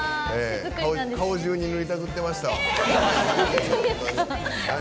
顔中に塗りたくってましたわ。